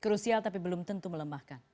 krusial tapi belum tentu melemahkan